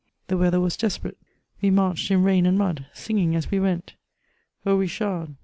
The weather was desperate ; we inarched in run and mud, singing as we went — O, Richard!